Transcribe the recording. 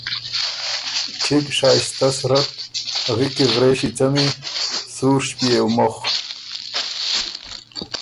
چِګ شائسته صورت، غِکی غرېݭی څمی، سُوڒ ݭپيېو مُخ،